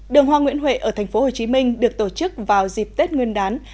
đường hoa nguyễn huệ ở tp hcm được tổ chức vào dịp tết nguyên đán